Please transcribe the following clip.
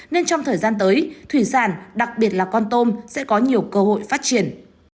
nên trong thời gian tới thủy sản đặc biệt là con tôm sẽ có nhiều cơ hội phát triển